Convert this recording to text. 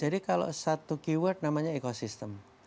jadi kalau satu keyword namanya ekosistem